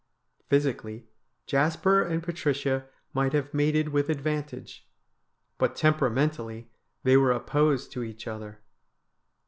Physically Jasper and Patricia might have mated with advantage, but temperamentally they were opposed to each other.